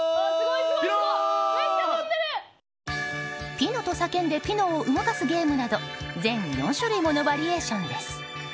ピノと叫んでピノを動かすゲームなど全４種類ものバリエーションです。